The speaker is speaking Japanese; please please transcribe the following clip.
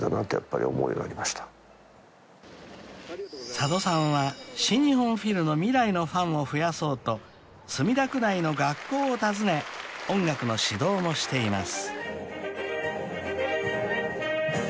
［佐渡さんは新日本フィルの未来のファンを増やそうと墨田区内の学校を訪ね音楽の指導もしています］